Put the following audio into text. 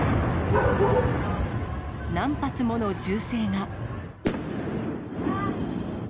何発もの銃声が。